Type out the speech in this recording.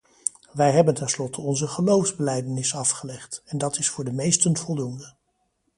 Wij hebben tenslotte onze geloofsbelijdenis afgelegd, en dat is voor de meesten voldoende.